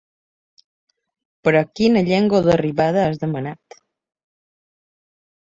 Però quina llengua d'arribada has demanat.